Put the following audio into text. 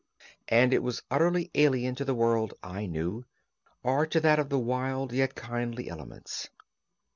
And it was utterly alien to the world I knew, or to that of the wild yet kindly elements.